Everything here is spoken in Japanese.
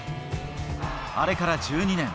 あれから１２年。